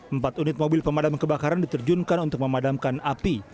empat unit mobil pemadam kebakaran diterjunkan untuk memadamkan api